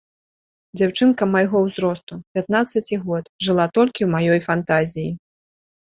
Дзяўчынка майго ўзросту, пятнаццаці год, жыла толькі ў маёй фантазіі.